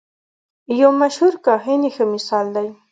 یو مشهور کاهن یې ښه مثال دی.